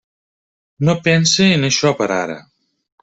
No pense en això per ara.